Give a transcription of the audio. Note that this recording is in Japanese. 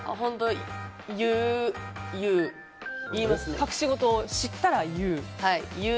隠し事を知ったら言う？